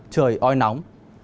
trời oi nóng